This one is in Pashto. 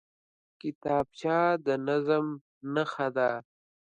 کتابچه د نظم نښه ده